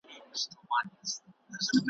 نن په څشي تودوې ساړه رګونه `